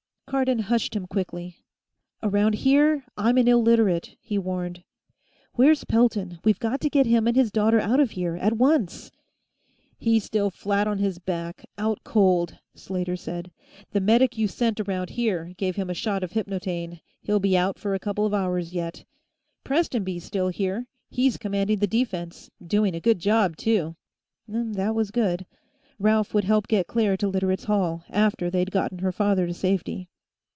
Cardon hushed him quickly. "Around here, I'm an Illiterate," he warned. "Where's Pelton? We've got to get him and his daughter out of here, at once." "He's still flat on his back, out cold," Slater said. "The medic you sent around here gave him a shot of hypnotaine: he'll be out for a couple of hours, yet. Prestonby's still here. He's commanding the defense; doing a good job, too." That was good. Ralph would help get Claire to Literates' Hall, after they'd gotten her father to safety.